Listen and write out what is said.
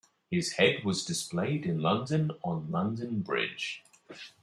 His head was displayed in London on London Bridge.